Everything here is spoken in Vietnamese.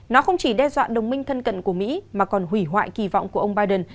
nó không chỉ đe dọa đồng minh thân cận của mỹ mà còn hủy hoại kỳ vọng của ông biden